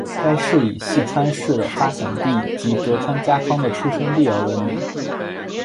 该市以细川氏的发祥地及德川家康的出生地而闻名。